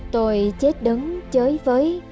tôi chết đứng chơi với